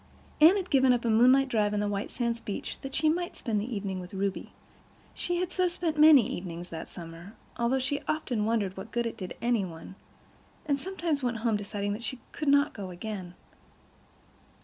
Anne had given up a moonlight drive to the White Sands beach that she might spend the evening with Ruby. She had so spent many evenings that summer, although she often wondered what good it did any one, and sometimes went home deciding that she could not go again.